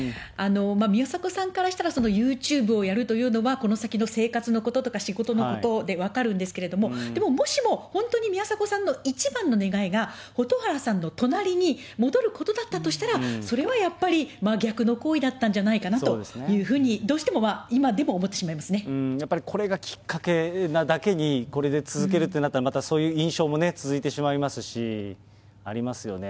宮迫さんからしたら、ユーチューブをやるというのは、生活のこととか仕事のことで分かるんですけれども、でももしも、本当に宮迫さんの一番の願いが、蛍原さんの隣に戻ることだったとしたら、それはやっぱり真逆の行為だったんじゃないかなというふうにどうやっぱりこれがきっかけなだけに、これで続けるとなったら、そういう印象も続いてしまいますし、ありますよね。